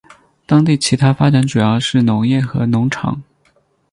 当地其它发展主要是农业和农场。